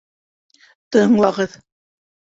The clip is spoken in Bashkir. Тыңлағыҙ: